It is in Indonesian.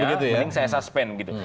mending saya suspend